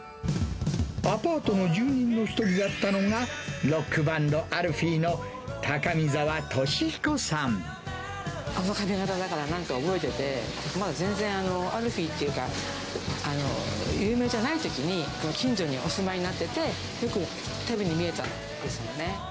アパートの住人の１人だったのが、ロックバンド、アルフィーの高見あの髪形だからなんか覚えてて、まだ全然、アルフィーっていうか、有名じゃないときに、近所にお住まいになってて、よく食べに見えたんですよね。